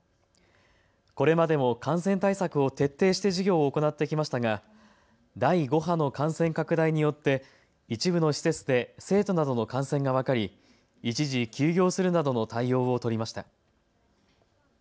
これまでも感染対策を徹底して授業を行ってきましたが第５波の感染拡大によって一部の施設で生徒などの感染が分かり一時、休業するなどの対応を取りました。